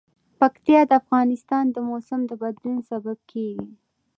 پکتیا د افغانستان د موسم د بدلون سبب کېږي.